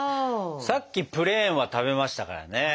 さっきプレーンは食べましたからね。